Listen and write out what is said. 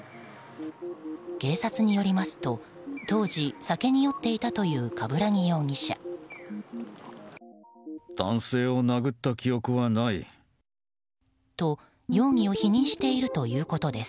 警察によりますと当時、酒に酔っていたという鏑木容疑者。と、容疑を否認しているということです。